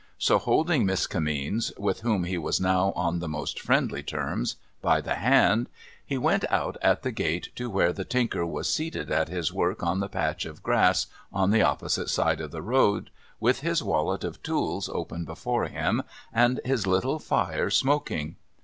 So, holding Miss Kimmeens (with whom he was now on the most "friendly terms) by the hand, he went out at the gate to where the Tinker was seated at his work on the patch of grass on the opposite side of the road, with his wallet of tools open before him, and his little fire smoking.